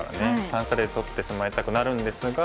反射で取ってしまいたくなるんですが。